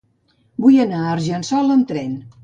Vull anar a Argençola amb tren.